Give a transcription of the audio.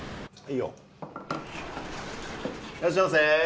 いらっしゃいませ。